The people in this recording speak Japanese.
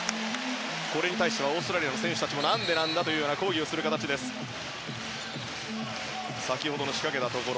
これに対してはオーストラリアの選手たちも何でなんだと抗議をする形先ほどの仕掛けたところ。